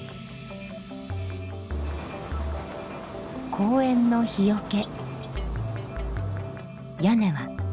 公園の日よけ。